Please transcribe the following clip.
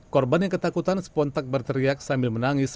korban yang ketakutan sepontak berteriak sambil menangis